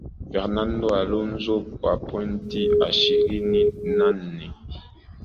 fernado alonzo kwa pointi ishirini na nne